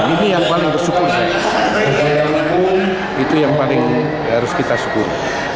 ini yang paling bersyukur itu yang paling harus kita syukur